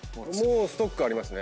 ストックありますね。